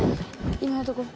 今のところ。